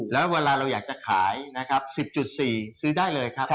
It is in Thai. แล้วเวลาเราอยากจะขายนะครับ๑๐๔ซื้อได้เลยครับ